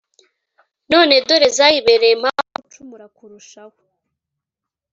none dore zayibereye impamvu yo gucumura kurushaho.